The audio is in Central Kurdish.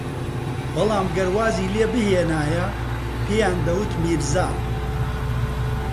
بەڵام گەر وازی لێبھێنایە پێیان دەوت میرزا